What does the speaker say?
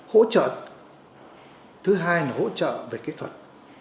hỗ trợ thứ hai là hỗ trợ về kỹ thuật